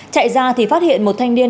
chạy ra thì phát hiện một thanh niên